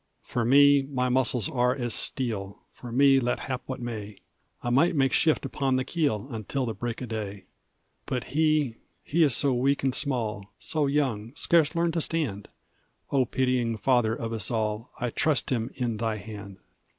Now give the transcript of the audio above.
"For me my muscles are as steel, For me let hap what may; I might make shift upon the keel Until the break o' day. "But he, he is so weak and small, So young, scarce learned to stand O pitying Father of us all, I trust him in Thy hand!